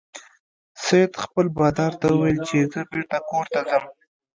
سید خپل بادار ته وویل چې زه بیرته کور ته ځم.